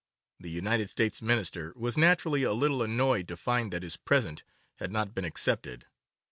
The United States Minister was naturally a little annoyed to find that his present had not been accepted.